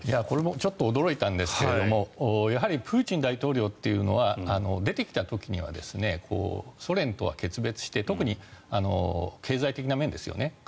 これもちょっと驚いたんですけれどもやはりプーチン大統領というのは出てきた時にはソ連とは決別して特に経済的な面ですよね。